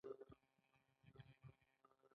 خو پوښتنه دا ده چې دا اضافي ارزښت څنګه رامنځته کېږي